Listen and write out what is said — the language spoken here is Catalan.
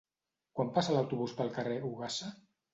Quan passa l'autobús pel carrer Ogassa?